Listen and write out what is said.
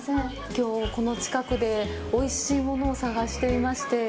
きょうこの近くでおいしいものを探していまして。